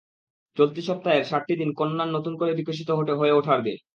চলতি সপ্তাহের সাতটি দিন কন্যার নতুন করে বিকশিত হয়ে ওঠার দিন।